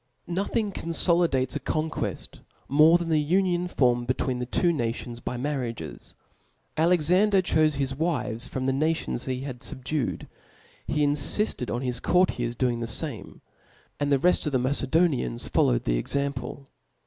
213 Nothing confolidates a conqueft iticrre than the Book union formed between the two nations by marriages, q^^' Alexander chofe his wives from the nation* he had (0 See the fubdued; he infifted on his courtiers doing thetiilVur fame •, and the reft of the Macedonians followed the ^.""^^^"s^ : example.